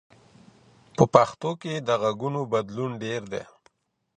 په پښتو کي د ږغونو بدلون ډېر دی.